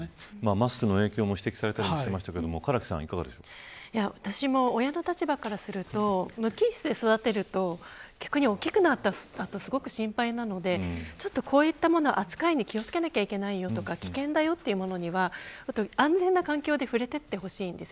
マスクの影響も指摘されていましたが私も親の立場からすると無菌室で育てると逆に大きくなった後心配なのでこういったものの扱いに気をつけなきゃいけないとか危険だよというものには安全な環境で触れていってほしいです。